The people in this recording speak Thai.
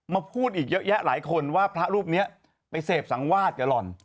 พูดอีกเยอะแยะหลายคนว่าพระรูปนี้ไปเสพสังวาดกับหล่อน